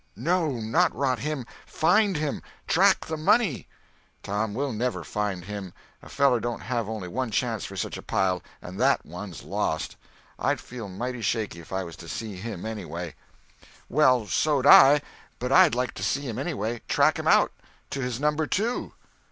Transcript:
"No, not rot him. Find him! Track the money!" "Tom, we'll never find him. A feller don't have only one chance for such a pile—and that one's lost. I'd feel mighty shaky if I was to see him, anyway." "Well, so'd I; but I'd like to see him, anyway—and track him out—to his Number Two."